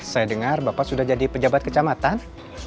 saya dengar bapak sudah jadi pejabat kecamatan